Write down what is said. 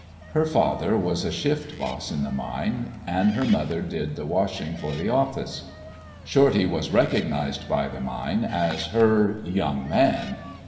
Her father was a shift boss in the mine, and her mother did the washing for the "office." Shorty was recognised by the mine as her "young man."